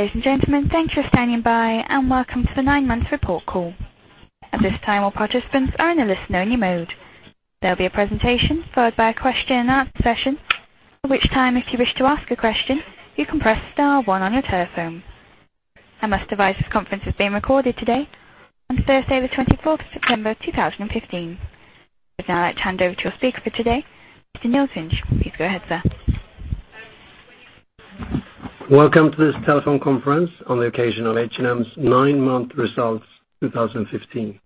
Ladies and gentlemen, thanks for standing by. Welcome to the nine-month report call. At this time, all participants are in a listen-only mode. There'll be a presentation followed by a question-and-answer session, at which time, if you wish to ask a question, you can press star one on your telephone. I must advise this conference is being recorded today on Thursday, the 24th of September 2015. I would now like to hand over to our speaker for today, Mr. Mårtensson. Please go ahead, sir. Welcome to this telephone conference on the occasion of H&M's nine-month results 2015.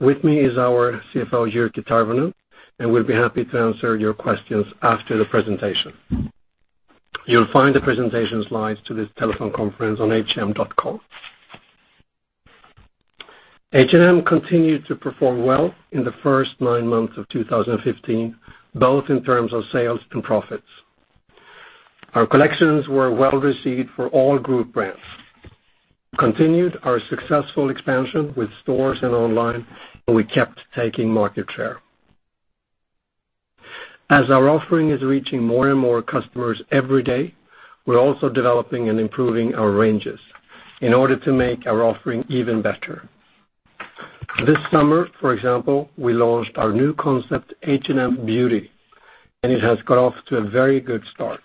With me is our CFO, Jyrki Tervonen, and we'll be happy to answer your questions after the presentation. You'll find the presentation slides to this telephone conference on hm.com. H&M continued to perform well in the first nine months of 2015, both in terms of sales and profits. Our collections were well-received for all group brands, continued our successful expansion with stores and online, and we kept taking market share. As our offering is reaching more and more customers every day, we're also developing and improving our ranges in order to make our offering even better. This summer, for example, we launched our new concept, H&M Beauty, and it has got off to a very good start.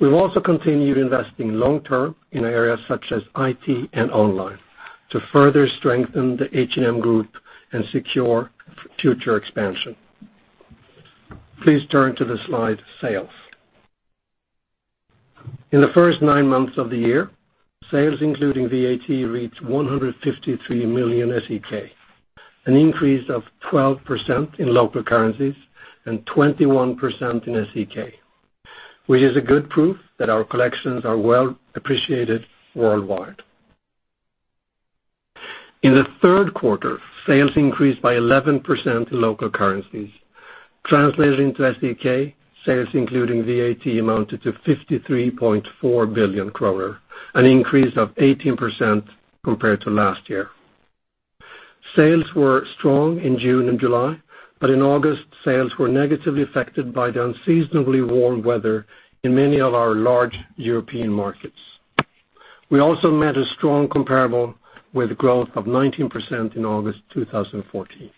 We've also continued investing long-term in areas such as IT and online to further strengthen the H&M Group and secure future expansion. Please turn to the slide, Sales. In the first nine months of the year, sales including VAT reached 153 billion SEK, an increase of 12% in local currencies and 21% in SEK, which is a good proof that our collections are well appreciated worldwide. In the third quarter, sales increased by 11% in local currencies. Translated into SEK, sales including VAT amounted to 53.4 billion kronor, an increase of 18% compared to last year. Sales were strong in June and July. In August, sales were negatively affected by the unseasonably warm weather in many of our large European markets. We also met a strong comparable with growth of 19% in August 2014.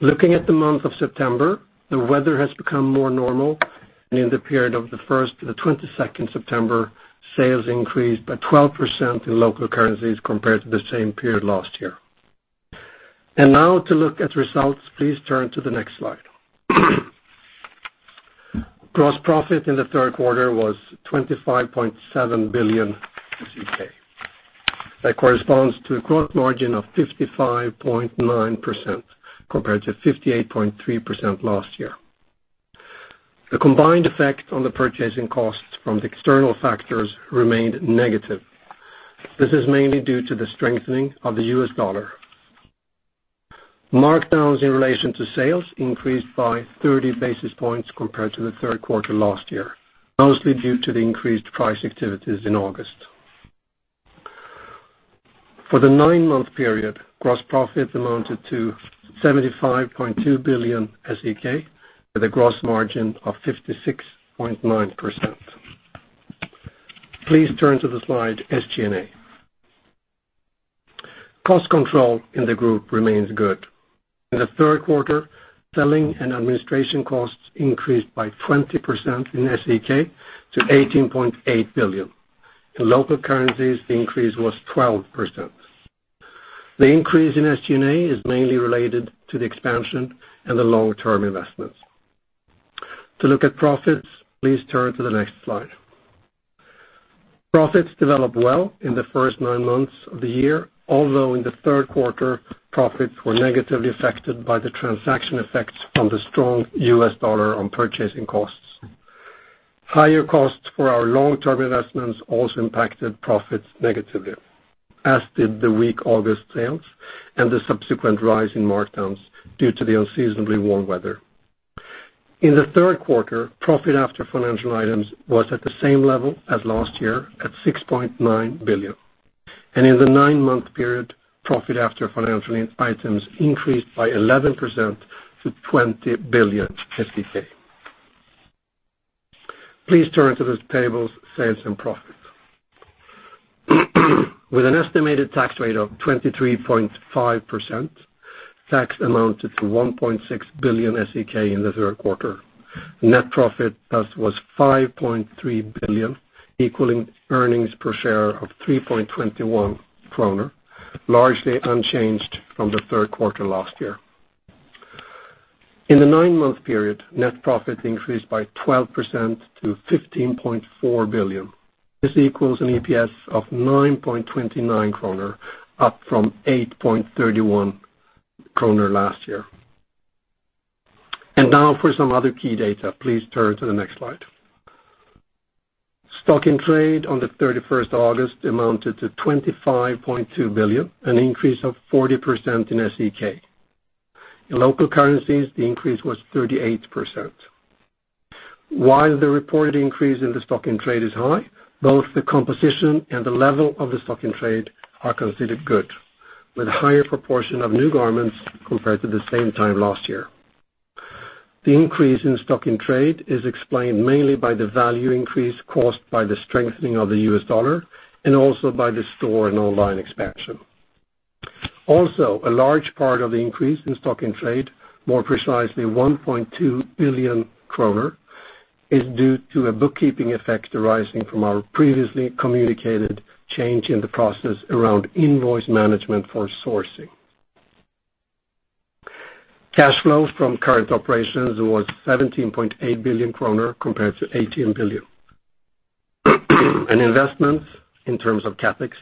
Looking at the month of September, the weather has become more normal. In the period of the 1st to the 22nd September, sales increased by 12% in local currencies compared to the same period last year. Now to look at results, please turn to the next slide. Gross profit in the third quarter was 25.7 billion. That corresponds to a gross margin of 55.9% compared to 58.3% last year. The combined effect on the purchasing costs from the external factors remained negative. This is mainly due to the strengthening of the US dollar. Markdowns in relation to sales increased by 30 basis points compared to the third quarter last year, mostly due to the increased price activities in August. For the nine-month period, gross profits amounted to 75.2 billion SEK with a gross margin of 56.9%. Please turn to the slide, SG&A. Cost control in the group remains good. In the third quarter, selling and administration costs increased by 20% in SEK to 18.8 billion SEK. In local currencies, the increase was 12%. The increase in SG&A is mainly related to the expansion and the long-term investments. To look at profits, please turn to the next slide. Profits developed well in the first nine months of the year, although in the third quarter, profits were negatively affected by the transaction effects from the strong US dollar on purchasing costs. Higher costs for our long-term investments also impacted profits negatively, as did the weak August sales and the subsequent rise in markdowns due to the unseasonably warm weather. In the third quarter, profit after financial items was at the same level as last year at 6.9 billion. In the nine-month period, profit after financial items increased by 11% to 20 billion. Please turn to the tables, Sales and Profits. With an estimated tax rate of 23.5%, tax amounted to 1.6 billion SEK in the third quarter. Net profit thus was 5.3 billion, equaling earnings per share of 3.21 kronor, largely unchanged from the third quarter last year. In the nine-month period, net profit increased by 12% to 15.4 billion. This equals an EPS of 9.29 kronor, up from 8.31 kronor last year. Now for some other key data, please turn to the next slide. Stock in trade on the 31st August amounted to 25.2 billion, an increase of 40% in SEK. In local currencies, the increase was 38%. While the reported increase in the stock in trade is high, both the composition and the level of the stock in trade are considered good, with a higher proportion of new garments compared to the same time last year. The increase in stock in trade is explained mainly by the value increase caused by the strengthening of the US dollar and also by the store and online expansion. Also, a large part of the increase in stock in trade, more precisely 1.2 billion kronor, is due to a bookkeeping effect arising from our previously communicated change in the process around invoice management for sourcing. Cash flows from current operations was 17.8 billion kronor compared to 18 billion. Investments in terms of CapEx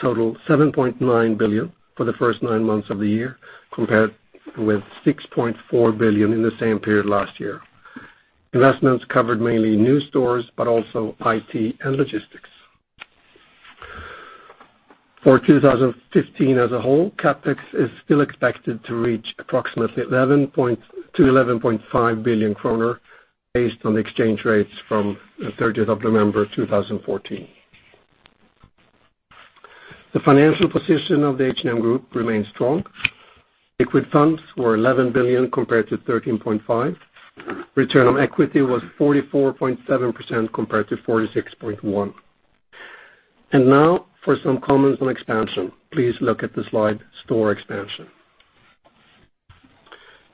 total 7.9 billion for the first nine months of the year compared with 6.4 billion in the same period last year. Investments covered mainly new stores, but also IT and logistics. For 2015 as a whole, CapEx is still expected to reach approximately 11 to 11.5 billion based on exchange rates from the 30th of November 2014. The financial position of the H&M Group remains strong. Liquid funds were 11 billion compared to 13.5 billion. Return on equity was 44.7% compared to 46.1%. Now for some comments on expansion. Please look at the slide store expansion.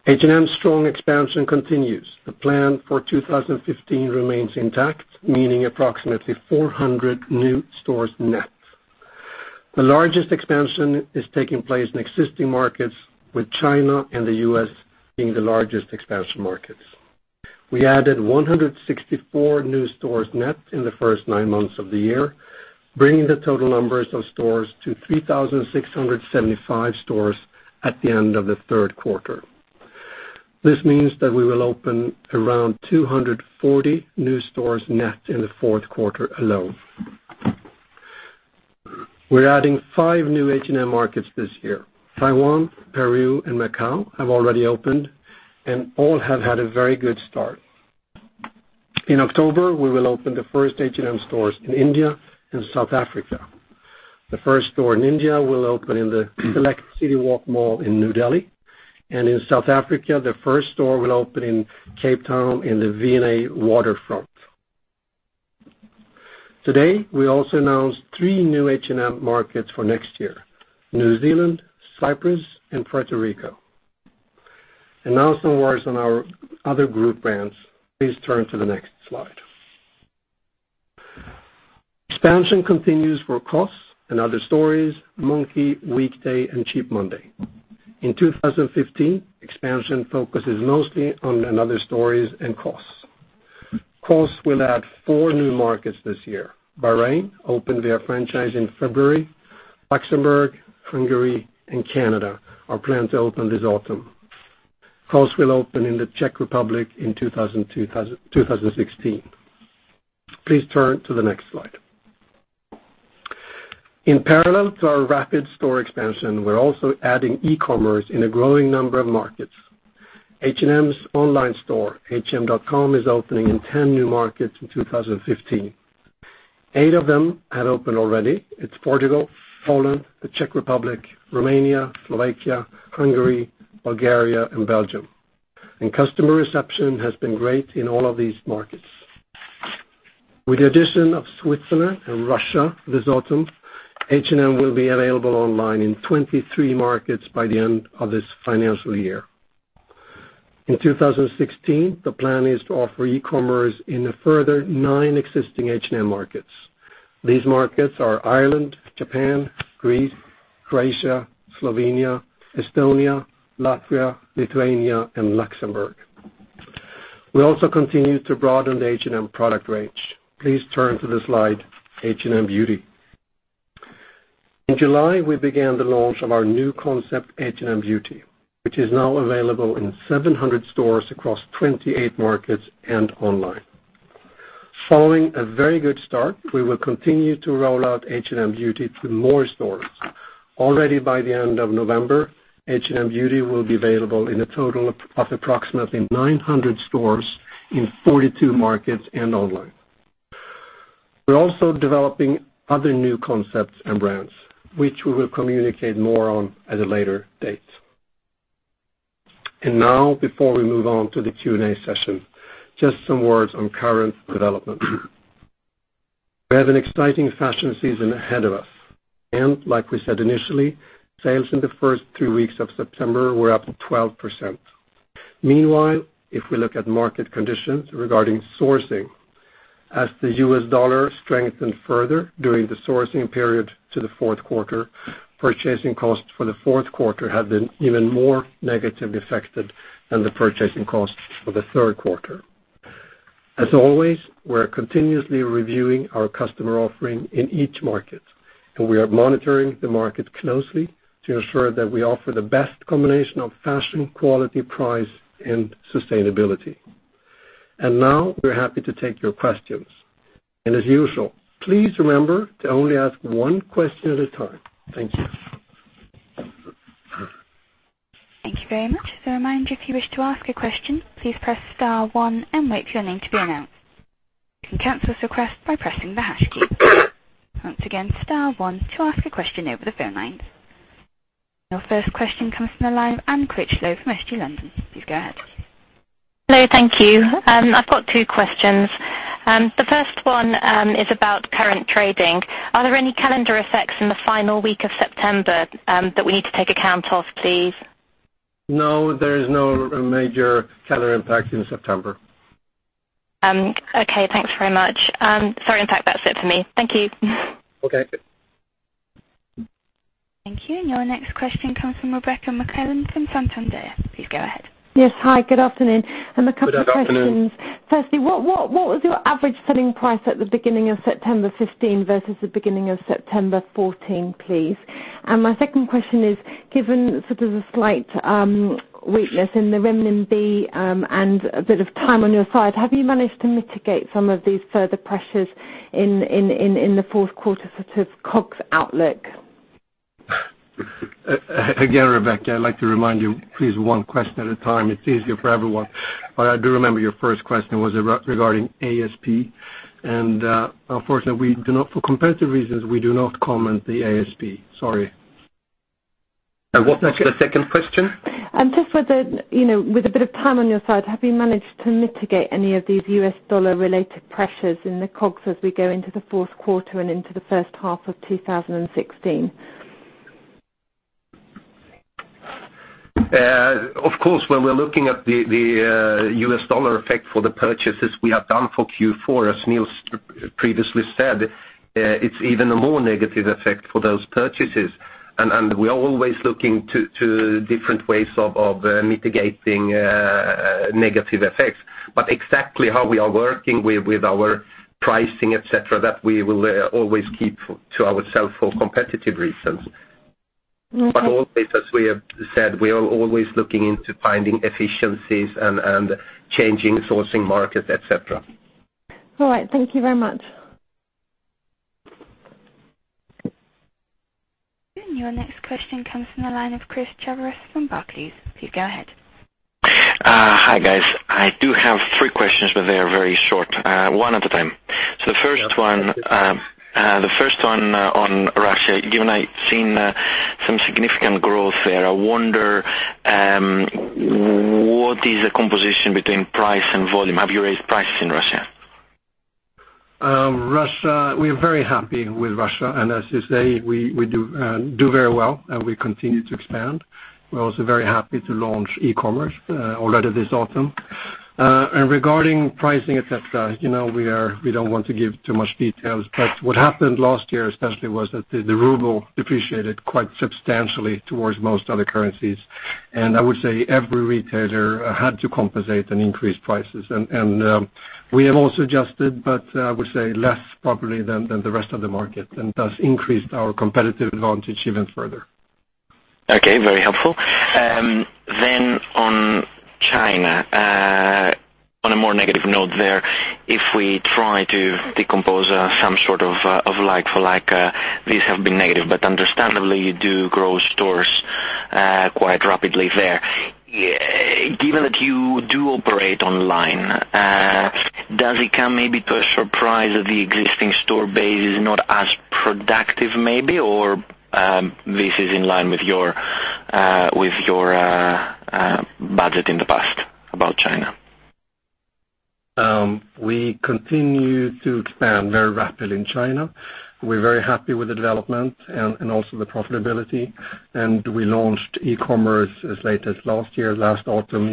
H&M's strong expansion continues. The plan for 2015 remains intact, meaning approximately 400 new stores net. The largest expansion is taking place in existing markets, with China and the U.S. being the largest expansion markets. We added 164 new stores net in the first nine months of the year, bringing the total numbers of stores to 3,675 stores at the end of the third quarter. This means that we will open around 240 new stores net in the fourth quarter alone. We're adding five new H&M markets this year. Taiwan, Peru, and Macau have already opened and all have had a very good start. In October, we will open the first H&M stores in India and South Africa. The first store in India will open in the Select Citywalk mall in New Delhi, and in South Africa, the first store will open in Cape Town in the V&A Waterfront. Today, we also announced three new H&M markets for next year: New Zealand, Cyprus and Puerto Rico. Now some words on our other group brands. Please turn to the next slide. Expansion continues for COS and & Other Stories, Monki, Weekday and Cheap Monday. In 2015, expansion focuses mostly on & Other Stories and COS. COS will add four new markets this year. Bahrain opened via franchise in February. Luxembourg, Hungary and Canada are planned to open this autumn. COS will open in the Czech Republic in 2016. Please turn to the next slide. In parallel to our rapid store expansion, we're also adding e-commerce in a growing number of markets. H&M's online store, hm.com, is opening in 10 new markets in 2015. Eight of them have opened already. It's Portugal, Poland, the Czech Republic, Romania, Slovakia, Hungary, Bulgaria and Belgium. Customer reception has been great in all of these markets. With the addition of Switzerland and Russia this autumn, H&M will be available online in 23 markets by the end of this financial year. In 2016, the plan is to offer e-commerce in a further nine existing H&M markets. These markets are Ireland, Japan, Greece, Croatia, Slovenia, Estonia, Latvia, Lithuania and Luxembourg. We also continue to broaden the H&M product range. Please turn to the slide H&M Beauty. In July, we began the launch of our new concept, H&M Beauty, which is now available in 700 stores across 28 markets and online. Following a very good start, we will continue to roll out H&M Beauty to more stores. Already by the end of November, H&M Beauty will be available in a total of approximately 900 stores in 42 markets and online. We're also developing other new concepts and brands, which we will communicate more on at a later date. Now before we move on to the Q&A session, just some words on current development. We have an exciting fashion season ahead of us and like we said initially, sales in the first two weeks of September were up 12%. Meanwhile, if we look at market conditions regarding sourcing, as the U.S. dollar strengthened further during the sourcing period to the fourth quarter, purchasing costs for the fourth quarter have been even more negatively affected than the purchasing costs for the third quarter. As always, we're continuously reviewing our customer offering in each market, and we are monitoring the market closely to ensure that we offer the best combination of fashion, quality, price, and sustainability. Now we're happy to take your questions. As usual, please remember to only ask one question at a time. Thank you. Thank you very much. As a reminder, if you wish to ask a question, please press star one and wait for your name to be announced. You can cancel this request by pressing the hash key. Once again, star one to ask a question over the phone lines. Your first question comes from the line, Anne Critchlow from Societe Generale. Please go ahead. Hello. Thank you. I've got two questions. The first one is about current trading. Are there any calendar effects in the final week of September that we need to take account of, please? No, there is no major calendar impact in September. Okay. Thanks very much. Sorry, in fact, that's it for me. Thank you. Okay. Thank you. Your next question comes from Rebecca MacKinnon from Santander. Please go ahead. Yes. Hi, good afternoon. Good afternoon. A couple of questions. Firstly, what was your average selling price at the beginning of September 2015 versus the beginning of September 2014, please? My second question is, given sort of a slight weakness in the renminbi, and a bit of time on your side, have you managed to mitigate some of these further pressures in the fourth quarter sort of COGS outlook? Again, Rebecca, I'd like to remind you, please one question at a time. It's easier for everyone. I do remember your first question was regarding ASP, and, unfortunately, for competitive reasons, we do not comment the ASP. Sorry. What was the second question? Just with a bit of time on your side, have you managed to mitigate any of these US dollar-related pressures in the COGS as we go into the fourth quarter and into the first half of 2016? Of course, when we're looking at the US dollar effect for the purchases we have done for Q4, as Nils previously said, it's even a more negative effect for those purchases. We are always looking to different ways of mitigating negative effects. Exactly how we are working with our pricing, et cetera, that we will always keep to ourselves for competitive reasons. Okay. Always, as we have said, we are always looking into finding efficiencies and changing sourcing markets, et cetera. All right. Thank you very much. Your next question comes from the line of Christodoulos Chaviaras from Barclays. Please go ahead. Hi, guys. I do have three questions, but they are very short. One at a time. The first one on Russia. Given I've seen some significant growth there, I wonder what is the composition between price and volume. Have you raised prices in Russia? Russia, we are very happy with Russia, as you say, we do very well, and we continue to expand. We're also very happy to launch e-commerce already this autumn. Regarding pricing, et cetera, we don't want to give too much details, but what happened last year especially was that the ruble depreciated quite substantially towards most other currencies. I would say every retailer had to compensate and increase prices. We have also adjusted, but I would say less probably than the rest of the market, and thus increased our competitive advantage even further. Okay. Very helpful. On China, on a more negative note there, if we try to decompose some sort of like for like, these have been negative, but understandably, you do grow stores quite rapidly there. Given that you do operate online, does it come maybe to a surprise that the existing store base is not as productive maybe, or this is in line with your budget in the past about China? We continue to expand very rapidly in China. We're very happy with the development and also the profitability, and we launched e-commerce as late as last year, last autumn.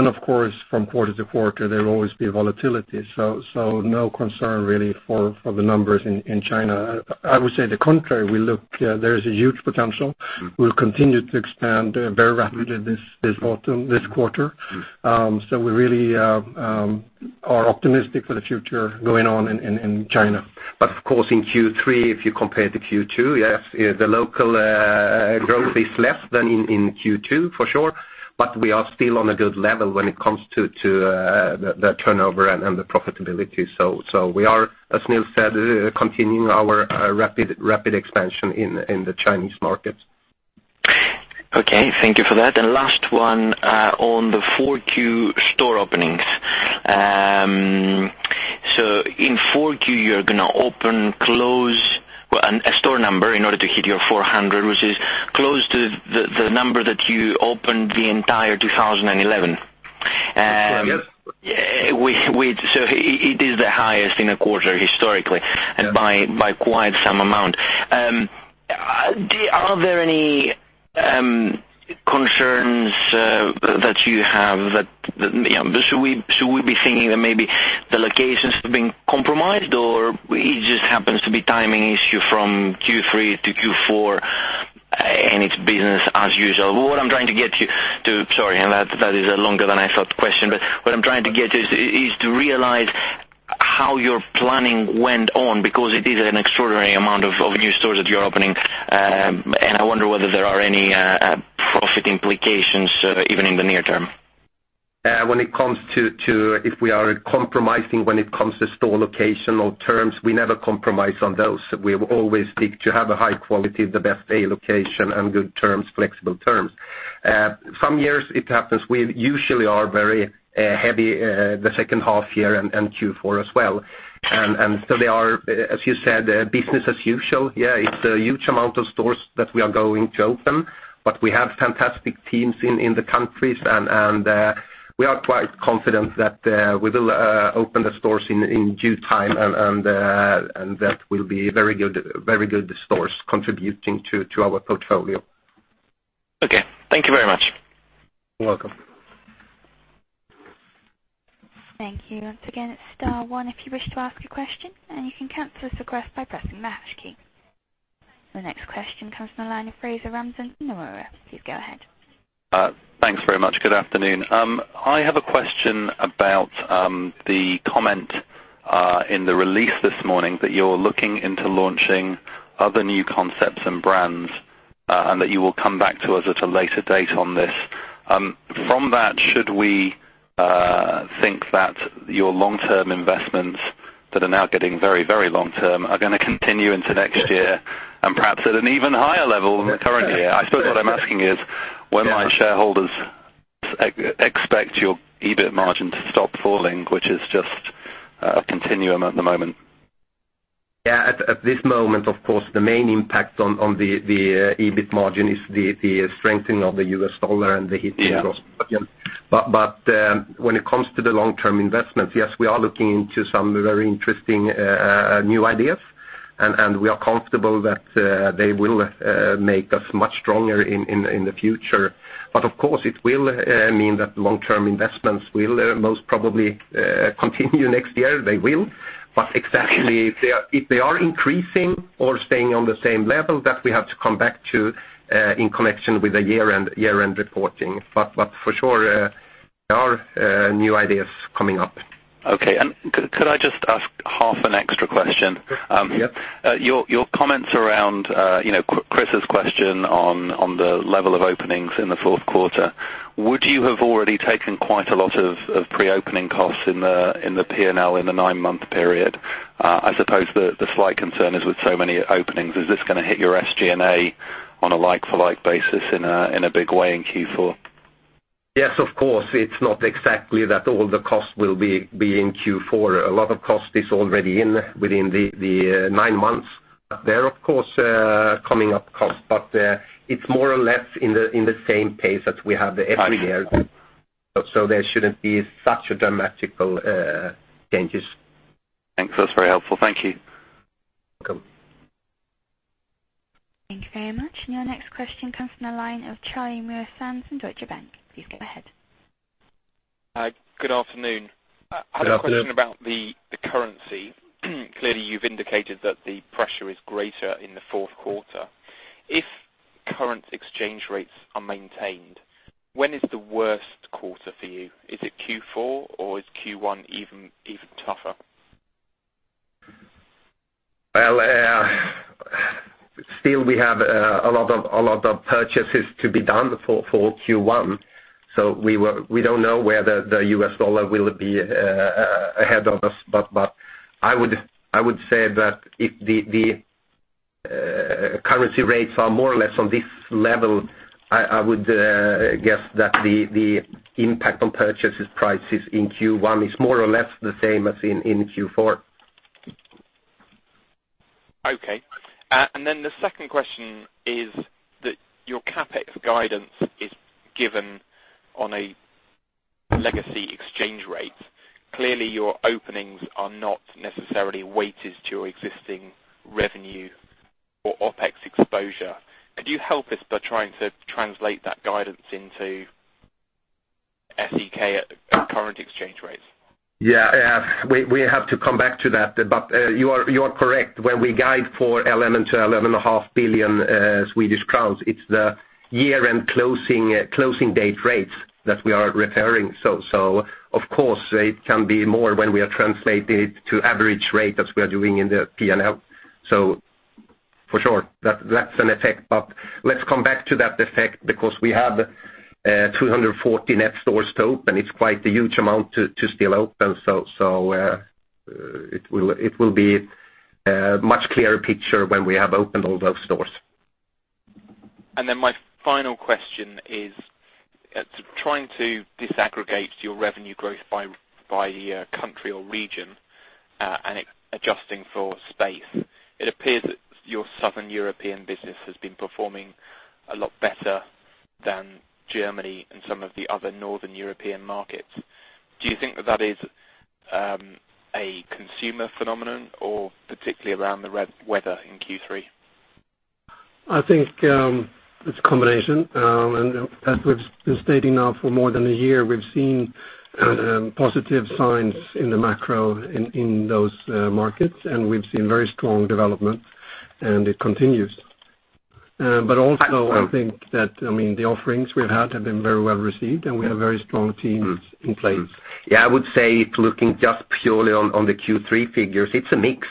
Of course, from quarter to quarter, there will always be volatility. No concern really for the numbers in China. I would say the contrary. There is a huge potential. We'll continue to expand very rapidly this autumn, this quarter. We really are optimistic for the future going on in China. Of course, in Q3, if you compare to Q2, yes, the local growth is less than in Q2 for sure, but we are still on a good level when it comes to the turnover and the profitability. We are, as Nils said, continuing our rapid expansion in the Chinese markets. Okay. Thank you for that. Last one, on the 4Q store openings. In 4Q, you're going to open a store number in order to hit your 400, which is close to the number that you opened the entire 2011. That's correct, yes. It is the highest in a quarter historically. Yes By quite some amount. Are there any concerns that you have that Should we be thinking that maybe the locations have been compromised, or it just happens to be timing issue from Q3 to Q4, and it's business as usual? Sorry, that is a longer than I thought question, what I'm trying to get is to realize how your planning went on, because it is an extraordinary amount of new stores that you're opening. I wonder whether there are any profit implications, even in the near term. If we are compromising when it comes to store location or terms, we never compromise on those. We will always seek to have a high quality, the best A location, and good terms, flexible terms. Some years it happens. We usually are very heavy the second half year and Q4 as well. So they are, as you said, business as usual. It's a huge amount of stores that we are going to open, but we have fantastic teams in the countries, and we are quite confident that we will open the stores in due time, and that will be very good stores contributing to our portfolio. Okay. Thank you very much. You're welcome. Thank you. Once again, it's star one if you wish to ask a question and you can cancel this request by pressing the hash key. The next question comes from the line of Fraser Ramzan, Nomura. Please go ahead. Thanks very much. Good afternoon. I have a question about the comment in the release this morning that you're looking into launching other new concepts and brands, and that you will come back to us at a later date on this. From that, should we think that your long-term investments that are now getting very long-term are going to continue into next year and perhaps at an even higher level than the current year? I suppose what I'm asking is when my shareholders expect your EBIT margin to stop falling, which is just a continuum at the moment. Yeah. At this moment, of course, the main impact on the EBIT margin is the strengthening of the US dollar and the hit across. Yeah. When it comes to the long-term investments, yes, we are looking into some very interesting new ideas, and we are comfortable that they will make us much stronger in the future. Of course, it will mean that long-term investments will most probably continue next year. They will. Exactly. If they are increasing or staying on the same level, that we have to come back to in connection with the year-end reporting. For sure, there are new ideas coming up. Okay. Could I just ask half an extra question? Yep. Your comments around Chris's question on the level of openings in the fourth quarter, would you have already taken quite a lot of pre-opening costs in the P&L in the nine-month period? I suppose the slight concern is with so many openings, is this going to hit your SG&A on a like for like basis in a big way in Q4? Yes, of course. It's not exactly that all the cost will be in Q4. A lot of cost is already in within the nine months. There are, of course, coming up costs, it's more or less in the same pace that we have every year. I see. There shouldn't be such dramatic changes. Thanks. That's very helpful. Thank you. Welcome. Thank you very much. Your next question comes from the line of Charlie Muir-Sands from Deutsche Bank. Please go ahead. Good afternoon. Good afternoon. I had a question about the currency. Clearly, you've indicated that the pressure is greater in the fourth quarter. If current exchange rates are maintained, when is the worst quarter for you? Is it Q4 or is Q1 even tougher? Still we have a lot of purchases to be done for Q1. We don't know where the US dollar will be ahead of us, but I would say that if the currency rates are more or less on this level, I would guess that the impact on purchases prices in Q1 is more or less the same as in Q4. The second question is that your CapEx guidance is given on a legacy exchange rate. Clearly, your openings are not necessarily weighted to your existing revenue or OpEx exposure. Could you help us by trying to translate that guidance into SEK at current exchange rates? We have to come back to that. You are correct. When we guide for 11 billion-11.5 billion Swedish crowns, it's the year-end closing date rates that we are referring to. Of course, it can be more when we are translating it to average rate as we are doing in the P&L. For sure, that's an effect. Let's come back to that effect because we have 240 net stores to open. It's quite a huge amount to still open. It will be a much clearer picture when we have opened all those stores. my final question is trying to disaggregate your revenue growth by country or region, adjusting for space. It appears that your southern European business has been performing a lot better than Germany and some of the other Northern European markets. Do you think that is a consumer phenomenon or particularly around the weather in Q3? Yeah, I think it's a combination, and as we've been stating now for more than a year, we've seen positive signs in the macro in those markets, and we've seen very strong development and it continues. Also, I think that the offerings we've had have been very well-received, and we have very strong teams in place. Yeah, I would say it's looking just purely on the Q3 figures. It's a mix.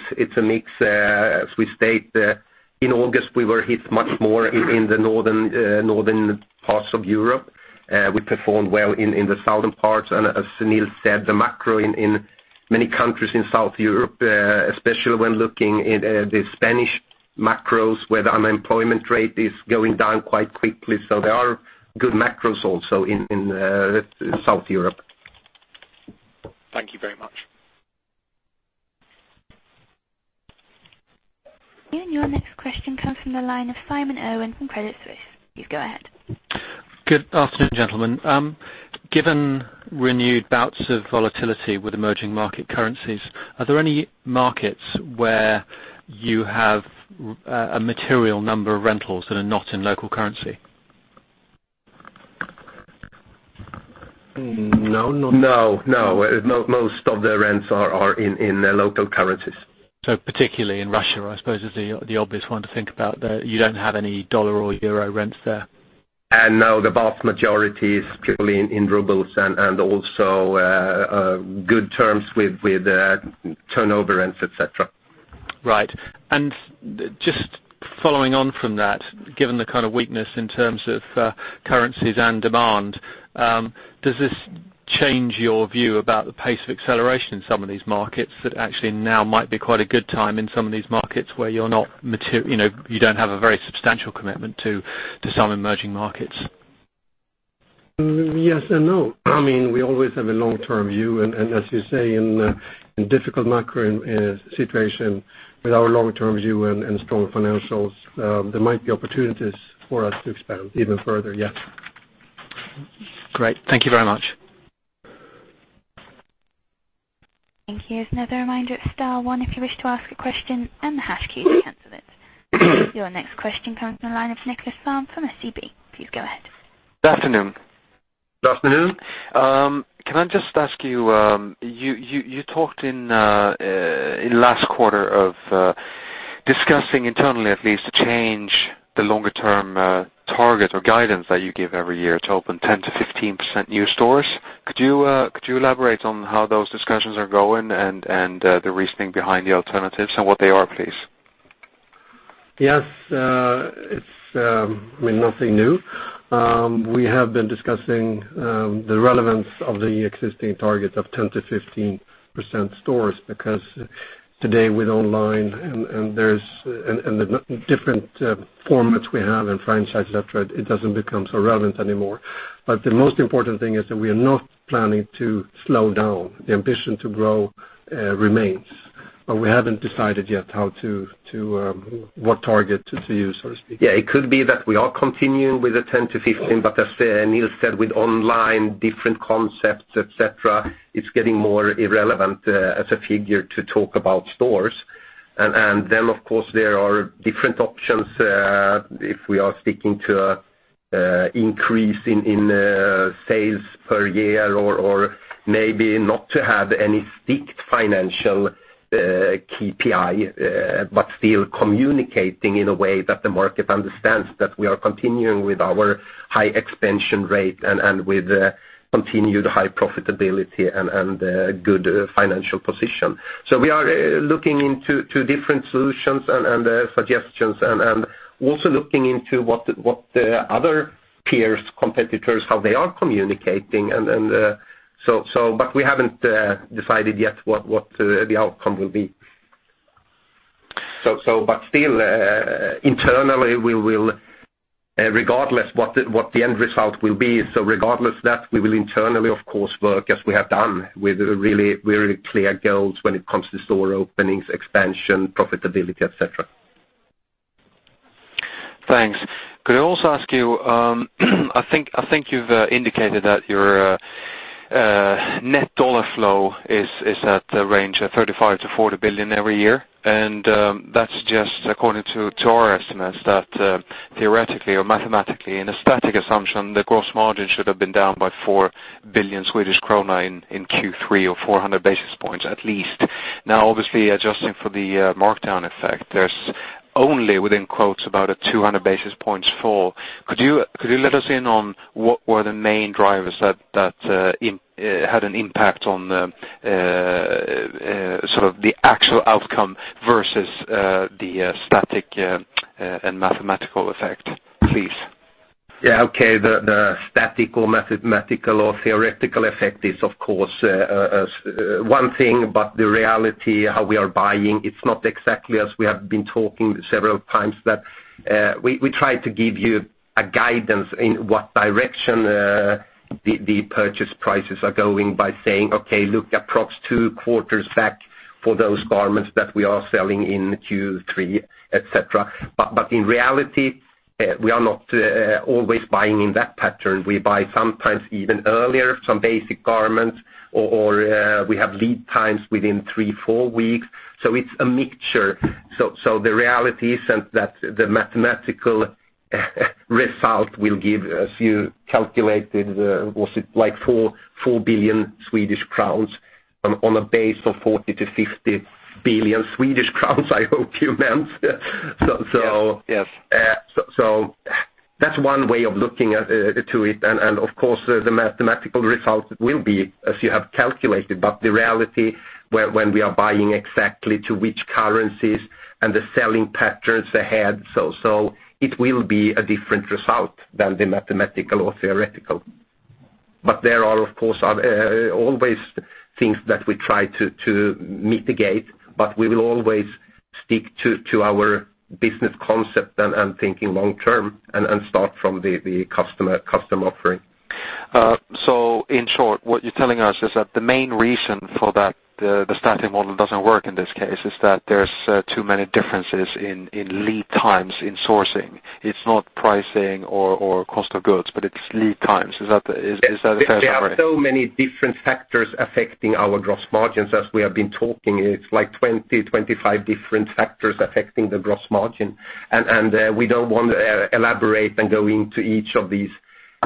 As we state, in August, we were hit much more in the northern parts of Europe. We performed well in the southern parts, and as Nils said, the macro in many countries in Southern Europe, especially when looking at the Spanish macros, where the unemployment rate is going down quite quickly. There are good macros also in Southern Europe. Thank you very much. Your next question comes from the line of Simon Irwin from Credit Suisse. Please go ahead. Good afternoon, gentlemen. Given renewed bouts of volatility with emerging market currencies, are there any markets where you have a material number of rentals that are not in local currency? No. Most of the rents are in their local currencies. Particularly in Russia, I suppose is the obvious one to think about, that you don't have any dollar or euro rents there. No, the vast majority is strictly in rubles and also good terms with turnover rents, et cetera. Right. Just following on from that, given the kind of weakness in terms of currencies and demand, does this change your view about the pace of acceleration in some of these markets that actually now might be quite a good time in some of these markets where you don't have a very substantial commitment to some emerging markets? Yes and no. We always have a long-term view, and as you say, in a difficult macro situation with our longer-term view and strong financials, there might be opportunities for us to expand even further, yes. Great. Thank you very much. Thank you. Here's another reminder of star one if you wish to ask a question, and the hash key to cancel it. Your next question comes from the line of Nikolas Ekman from SEB. Please go ahead. Good afternoon. Good afternoon. Can I just ask you talked in last quarter of discussing internally, at least, to change the longer-term target or guidance that you give every year to open 10%-15% new stores. Could you elaborate on how those discussions are going and the reasoning behind the alternatives and what they are, please? It's nothing new. We have been discussing the relevance of the existing target of 10%-15% stores because today with online and the different formats we have and franchises, et cetera, it doesn't become so relevant anymore. The most important thing is that we are not planning to slow down. The ambition to grow remains. We haven't decided yet what target to use, so to speak. It could be that we are continuing with the 10%-15%, but as Nils said, with online, different concepts, et cetera, it's getting more irrelevant as a figure to talk about stores. Of course, there are different options, if we are sticking to increase in sales per year or maybe not to have any strict financial KPI, but still communicating in a way that the market understands that we are continuing with our high expansion rate and with continued high profitability and good financial position. We are looking into different solutions and suggestions and also looking into what the other peers, competitors, how they are communicating. We haven't decided yet what the outcome will be. Still, internally, we will, regardless what the end result will be, regardless that, we will internally, of course, work as we have done with really clear goals when it comes to store openings, expansion, profitability, et cetera. Thanks. Could I also ask you, I think you've indicated that your net dollar flow is at the range of $35 billion-$40 billion every year, and that's just according to our estimates that theoretically or mathematically, in a static assumption, the gross margin should have been down by 4 billion Swedish krona in Q3 or 400 basis points at least. Adjusting for the markdown effect, there's "only" about a 200 basis points fall. Could you let us in on what were the main drivers that had an impact on the actual outcome versus the static and mathematical effect, please? Yeah. Okay. The static or mathematical or theoretical effect is, of course, one thing, but the reality, how we are buying, it's not exactly as we have been talking several times that we try to give you a guidance in what direction the purchase prices are going by saying, "Okay, look approx. two quarters back for those garments that we are selling in Q3," et cetera. In reality, we are not always buying in that pattern. We buy sometimes even earlier, some basic garments, or we have lead times within three, four weeks. It's a mixture. The reality isn't that the mathematical result will give, as you calculated, was it like 4 billion Swedish crowns on a base of 40 billion-50 billion Swedish crowns, I hope you meant. Yes. That's one way of looking to it, and of course, the mathematical results will be, as you have calculated, but the reality when we are buying exactly to which currencies and the selling patterns ahead, so it will be a different result than the mathematical or theoretical. There are, of course, always things that we try to mitigate. We will always stick to our business concept and thinking long term and start from the customer offering. In short, what you're telling us is that the main reason for that, the static model doesn't work in this case, is that there's too many differences in lead times in sourcing. It's not pricing or cost of goods, but it's lead times. Is that a fair summary? There are so many different factors affecting our gross margins. As we have been talking, it's like 20, 25 different factors affecting the gross margin, we don't want to elaborate and go into each of these.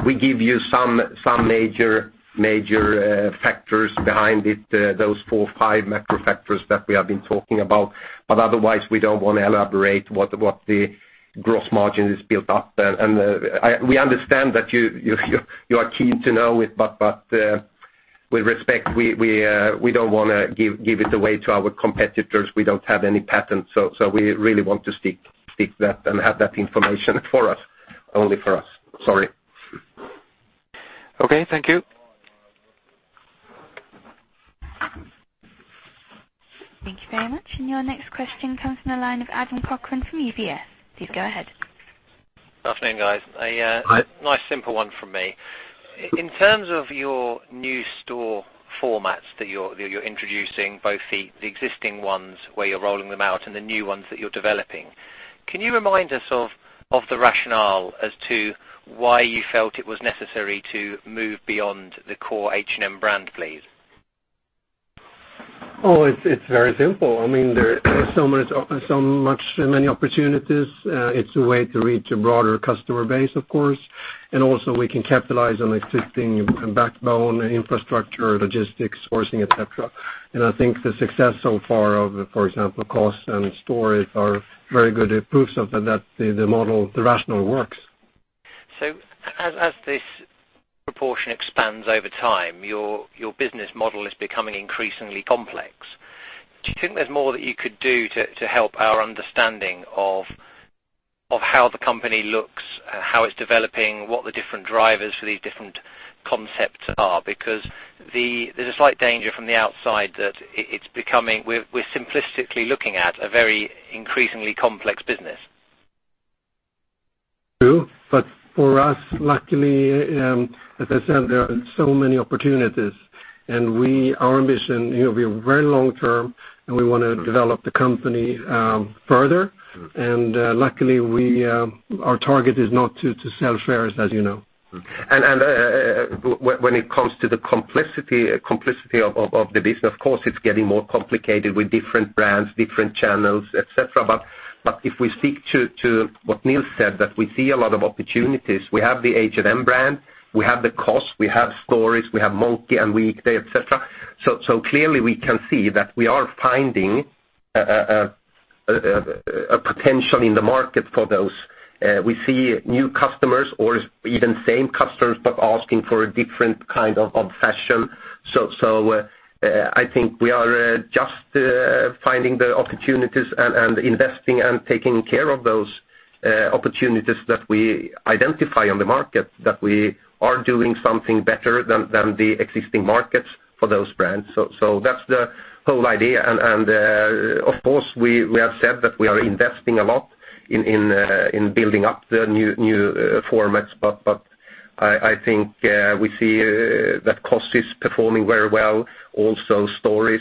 We give you some major factors behind it, those four or five macro factors that we have been talking about. Otherwise, we don't want to elaborate what the gross margin is built up. We understand that you are keen to know it, but with respect, we don't want to give it away to our competitors. We don't have any patents, we really want to stick to that and have that information for us, only for us. Sorry. Okay, thank you. Thank you very much. Your next question comes from the line of Adam Cochrane from UBS. Please go ahead. Good afternoon, guys. Hi. A nice simple one from me. In terms of your new store formats that you're introducing, both the existing ones where you're rolling them out and the new ones that you're developing, can you remind us of the rationale as to why you felt it was necessary to move beyond the core H&M brand, please? Oh, it's very simple. There are so many opportunities. It's a way to reach a broader customer base, of course, and also we can capitalize on existing backbone infrastructure, logistics, sourcing, et cetera. I think the success so far of, for example, COS and Stories are very good proofs of that the rationale works. As this proportion expands over time, your business model is becoming increasingly complex. Do you think there's more that you could do to help our understanding of how the company looks, how it's developing, what the different drivers for these different concepts are? Because there's a slight danger from the outside that we're simplistically looking at a very increasingly complex business. True, for us, luckily, as I said, there are so many opportunities, and our ambition, we are very long term, and we want to develop the company further. Luckily, our target is not to sell shares, as you know. When it comes to the complexity of the business, of course, it's getting more complicated with different brands, different channels, et cetera. If we stick to what Nils said, that we see a lot of opportunities. We have the H&M brand, we have the COS, we have Stories, we have Monki and Weekday, et cetera. Clearly, we can see that we are finding a potential in the market for those. We see new customers or even same customers, but asking for a different kind of fashion. I think we are just finding the opportunities and investing and taking care of those opportunities that we identify on the market, that we are doing something better than the existing markets for those brands. That's the whole idea, and of course, we have said that we are investing a lot in building up the new formats, but I think we see that COS is performing very well, also Stories.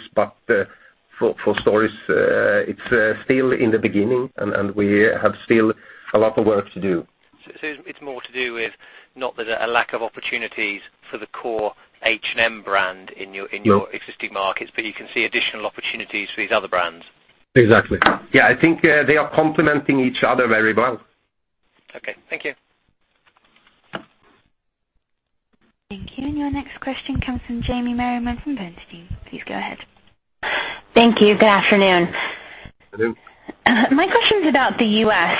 For Stories, it's still in the beginning, and we have still a lot of work to do. It's more to do with not that a lack of opportunities for the core H&M brand in your existing markets, but you can see additional opportunities for these other brands. Exactly. Yeah, I think they are complementing each other very well. Okay. Thank you. Thank you. Your next question comes from Jamie Merriman from Bernstein. Please go ahead. Thank you. Good afternoon. Good afternoon. My question is about the U.S.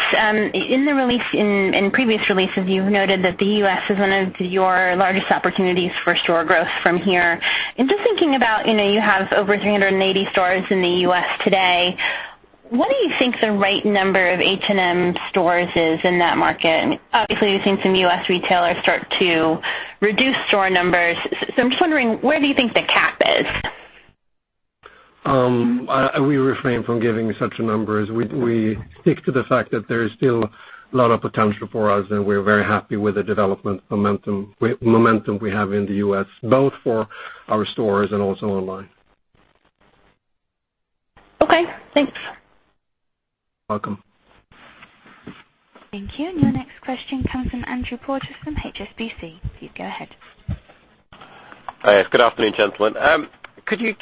In previous releases, you've noted that the U.S. is one of your largest opportunities for store growth from here. Just thinking about, you have over 380 stores in the U.S. today. What do you think the right number of H&M stores is in that market? Obviously, we've seen some U.S. retailers start to reduce store numbers. I'm just wondering, where do you think the cap is? We refrain from giving such numbers. We stick to the fact that there is still a lot of potential for us, and we're very happy with the development momentum we have in the U.S., both for our stores and also online. Okay, thanks. Welcome. Thank you. Your next question comes from Andrew Hughes from HSBC. Please go ahead. Hi, good afternoon, gentlemen. Coming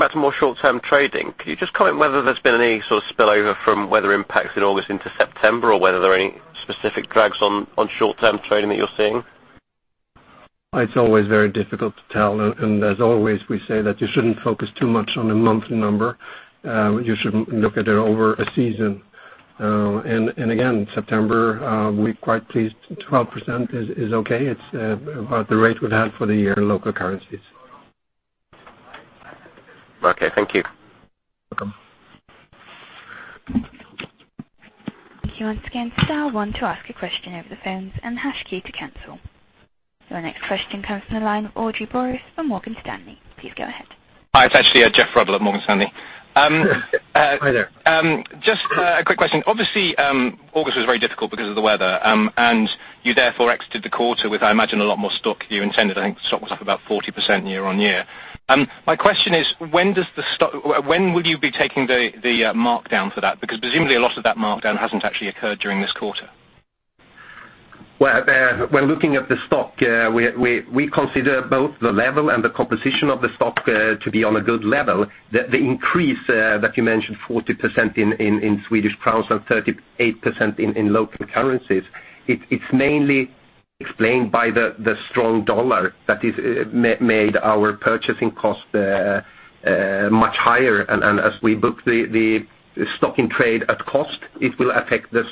back to more short-term trading, could you just comment whether there's been any sort of spillover from weather impacts in August into September, or whether there are any specific drags on short-term trading that you're seeing? It's always very difficult to tell, as always, we say that you shouldn't focus too much on a monthly number. You should look at it over a season. Again, September, we're quite pleased. 12% is okay. It's about the rate we've had for the year in local currencies. Okay, thank you. Thank you. Once again, star one to ask a question over the phones and hash key to cancel. Your next question comes from the line of Audrey Birenbaum from Morgan Stanley. Please go ahead. Hi, it's actually Geoff Ruddell at Morgan Stanley. Hi there. Just a quick question. Obviously, August was very difficult because of the weather, and you therefore exited the quarter with, I imagine, a lot more stock than you intended. I think stock was up about 40% year-on-year. My question is, when will you be taking the markdown for that? Presumably, a lot of that markdown hasn't actually occurred during this quarter. Well, when looking at the stock, we consider both the level and the composition of the stock to be on a good level. The increase that you mentioned, 40% in SEK and 38% in local currencies, it's mainly explained by the strong USD that has made our purchasing cost much higher. As we book the stock in trade at cost, it will affect the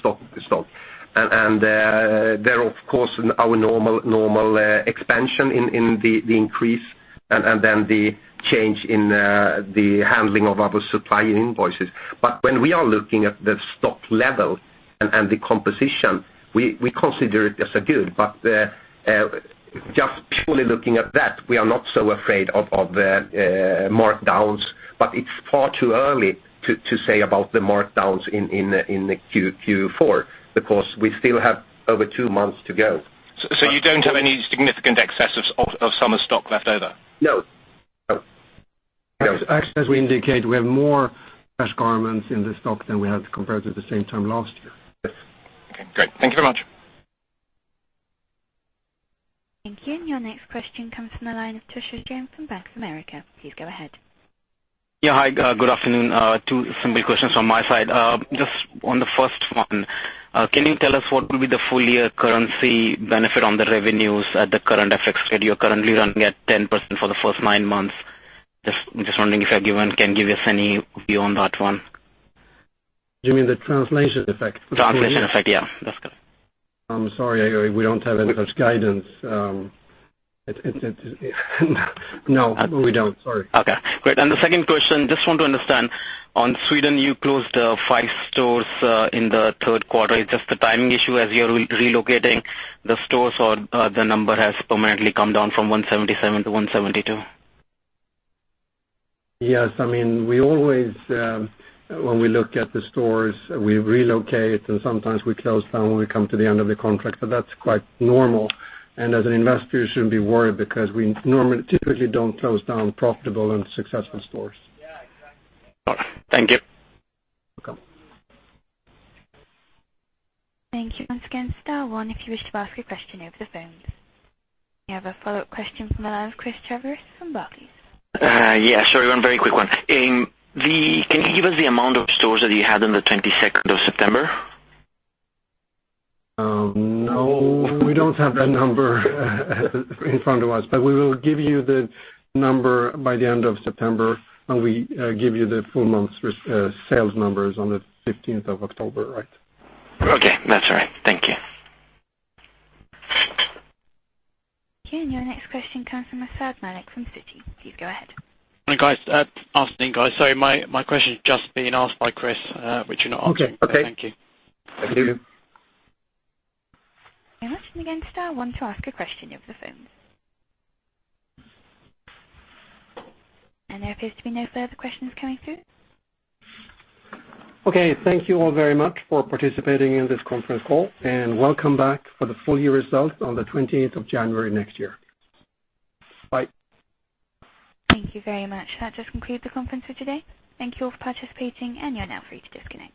stock. There, of course, our normal expansion in the increase and then the change in the handling of our supplier invoices. When we are looking at the stock level and the composition, we consider it as good. Just purely looking at that, we are not so afraid of the markdowns. It's far too early to say about the markdowns in Q4 because we still have over two months to go. You don't have any significant excess of summer stock left over? No. Actually, as we indicate, we have more fresh garments in the stock than we had compared to the same time last year. Okay, great. Thank you very much. Thank you. Your next question comes from the line of Tushar Jain from Bank of America. Please go ahead. Yeah, hi, good afternoon. Two simple questions on my side. Just on the first one, can you tell us what will be the full-year currency benefit on the revenues at the current FX rate? You're currently running at 10% for the first nine months. Just wondering if you can give us any view on that one. You mean the translation effect? Translation effect, yeah. That's good. I'm sorry, we don't have any such guidance. No, we don't. Sorry. Okay, great. The second question, just want to understand, on Sweden, you closed five stores in the third quarter. It's just a timing issue as you're relocating the stores, or the number has permanently come down from 177 to 172? Yes. When we look at the stores, we relocate, and sometimes we close down when we come to the end of the contract. That's quite normal, and as an investor, you shouldn't be worried because we typically don't close down profitable and successful stores. Okay, thank you. Welcome. Thank you. Once again, star one if you wish to ask a question over the phones. We have a follow-up question from the line of Chris Chaviaras from Barclays. Yeah, sorry, one very quick one. Can you give us the amount of stores that you had on the 22nd of September? No, we don't have that number in front of us, but we will give you the number by the end of September when we give you the full month sales numbers on the 15th of October, right? Okay, that's all right. Thank you. Okay, your next question comes from Asad Malik from Citi. Please go ahead. Morning, guys. Afternoon, guys. Sorry, my question's just been asked by Chris, which you're not answering. Okay. Thank you. Thank you. Once again, star one to ask a question over the phones. There appears to be no further questions coming through. Okay, thank you all very much for participating in this conference call, and welcome back for the full year results on the 20th of January next year. Bye. Thank you very much. That just concludes the conference for today. Thank you all for participating, and you're now free to disconnect.